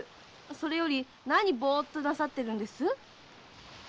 それより何をボッとなさってるんです？